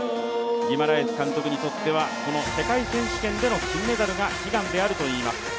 ギマラエス監督にとってはこの世界選手権の金メダルが悲願だといいます。